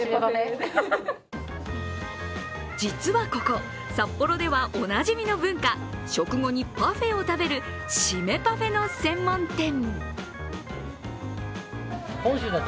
実はここ、札幌ではおなじみの文化、食後にパフェを食べるシメパフェの専門店。